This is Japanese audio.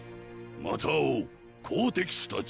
また会おう好敵手たち！